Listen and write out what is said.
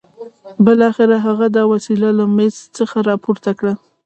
بالاخره هغه دا وسيله له مېز څخه راپورته کړه.